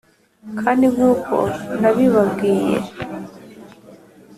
kandi nkuko nabibabwiye